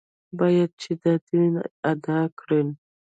باید چې دا دین ادا کړي.